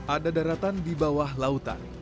ada daratan di bawah lautan